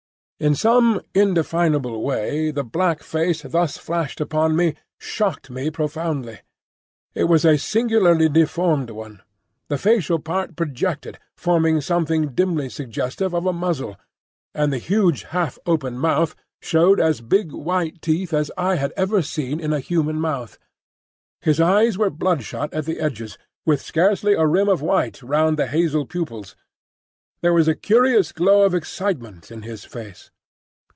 In some indefinable way the black face thus flashed upon me shocked me profoundly. It was a singularly deformed one. The facial part projected, forming something dimly suggestive of a muzzle, and the huge half open mouth showed as big white teeth as I had ever seen in a human mouth. His eyes were blood shot at the edges, with scarcely a rim of white round the hazel pupils. There was a curious glow of excitement in his face.